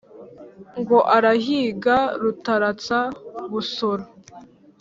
ngo arahiga rutaratsa-busoro.